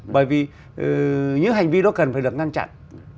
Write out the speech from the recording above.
bởi vì những hành vi đó cần phải được ngăn chặn